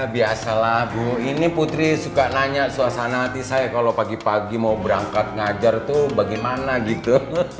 biasalah bu ini putri suka nanya suasana hati saya kalau pagi pagi mau berangkat ngajar tuh bagaimana gitu